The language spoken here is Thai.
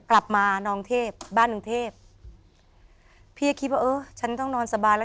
มานองเทพบ้านกรุงเทพพี่ก็คิดว่าเออฉันต้องนอนสบายแล้ว